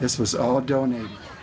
ini semua didonasi